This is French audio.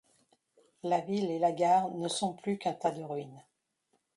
La ville et la gare ne sont plus qu'un tas de ruine.